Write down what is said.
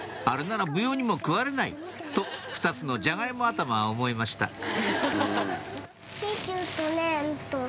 あれならブヨにも食われない」と２つのジャガイモ頭は思いました